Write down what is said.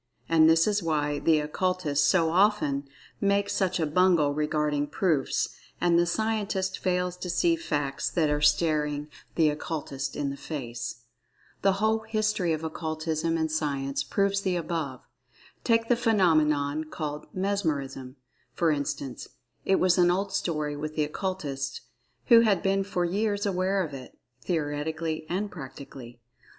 And this is why the Occultists so often make such a bungle regarding "proofs" and the Scientist fails to see "facts" that are staring the Occultist in the face.[Pg 5] The whole history of Occultism and Science proves the above. Take the phenomenon called "Mesmerism" for instance—it was an old story with the Occultists, who had been for years aware of it, theoretically and practically.